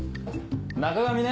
中上ね。